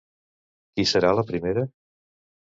Qui serà la primera?